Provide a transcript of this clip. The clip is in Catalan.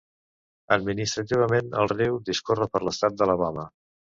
Administrativament, el riu discorre per l'estat d'Alabama.